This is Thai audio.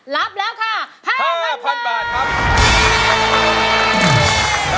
รับแล้วค่ะ๕๐๐๐บาท